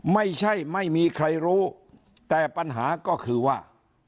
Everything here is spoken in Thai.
ไม่ใช่ไม่มีใครรู้แต่ปัญหาก็คือว่า